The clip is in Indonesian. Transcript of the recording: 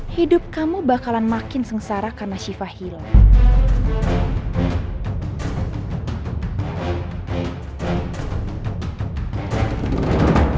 hidup kamu bakalan makin sengsara karena shiva hilang